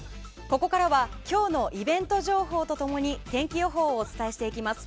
ここからは今日のイベント情報と共に天気予報をお伝えしていきます。